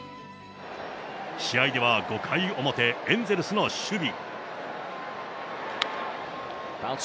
試合では、５回表、エンゼルスの守備。